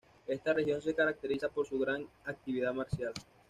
Esta región se caracteriza por su gran actividad marcial.